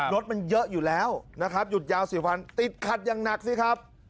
รถมันเยอะอยู่แล้วนะครับหยุดยาว๔วันติดขัดอย่างหนักสิครับ